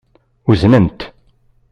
Uznen-t.